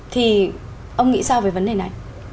thì ông nghĩ sao về vấn đề này